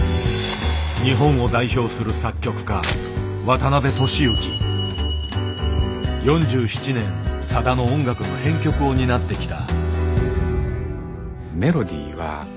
日本を代表する４７年さだの音楽の編曲を担ってきた。